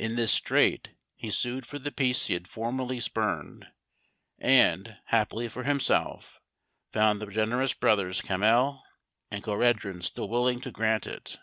In this strait, he sued for the peace he had formerly spurned, and, happily for himself, found the generous brothers Camhel and Cohreddin still willing to grant it.